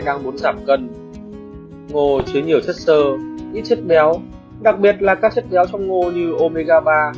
đang muốn giảm cân ngô chứa nhiều chất xơ ít chất béo đặc biệt là các chất béo trong ngô như omega